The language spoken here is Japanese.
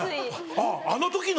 あっあの時の！